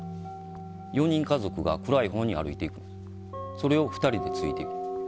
４人家族が暗いほうに歩いていくそれを２人でついていく。